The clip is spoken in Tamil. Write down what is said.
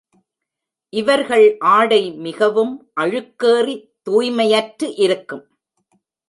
இவர்கள் ஆடை மிகவும் அழுக்கேறித் தூய்மையற்றிருக்கும்.